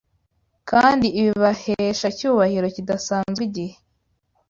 kandi ibahesha icyubahiro kidasanzwe igihe